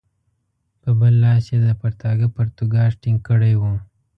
په بل لاس یې د پرتاګه پرتوګاښ ټینګ کړی وو.